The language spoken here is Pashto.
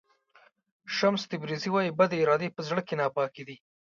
شمس تبریزي وایي بدې ارادې په زړه کې ناپاکي ده.